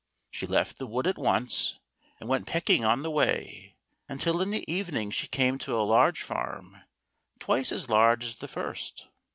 She left the wood at once and went pecking on the way, until in the evening she came to a large farm, twice as large as the first.